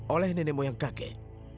oleh nenek moyang kakek